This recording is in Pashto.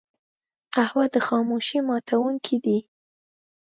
قهوه د خاموشۍ ماتونکی دی